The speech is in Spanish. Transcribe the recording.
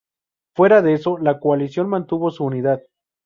Fuera de eso, la coalición mantuvo su unidad.